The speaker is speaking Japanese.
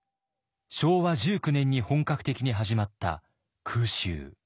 昭和１９年に本格的に始まった空襲。